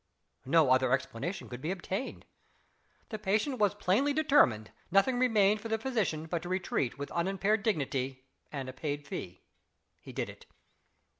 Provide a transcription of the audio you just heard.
No other explanation could be obtained. The patient was plainly determined nothing remained for the physician but to retreat with unimpaired dignity and a paid fee. He did it.